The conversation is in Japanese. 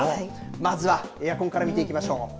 まずはエアコンから見ていきましょう。